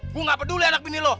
gue gak peduli anak ini lo